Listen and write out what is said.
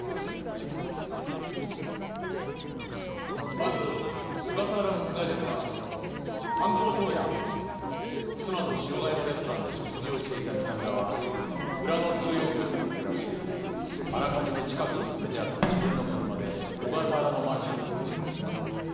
まず小笠原殺害ですが犯行当夜妻と白金のレストランで食事をしていた三田村は裏の通用口から抜け出しあらかじめ近くに止めてあった自分の車で小笠原のマンションへ向かった。